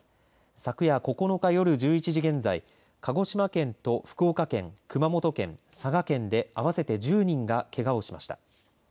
昨夜９日夜、１１時現在鹿児島県と福岡県熊本県、佐賀県で合わせて１０人がけがをしました。